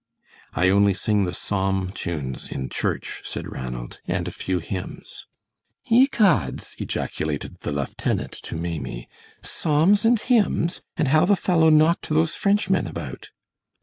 "I only sing the psalm tunes in church," said Ranald, "and a few hymns." "Ye gods!" ejaculated the lieutenant to Maimie, "psalms and hymns; and how the fellow knocked those Frenchmen about!"